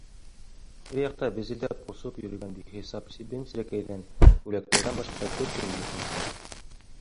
Тирә-яҡта безелдәп осоп йөрөгән бихисап себен-серәкәйҙән, күбәләктәрҙән башҡа бер кем юҡ икән.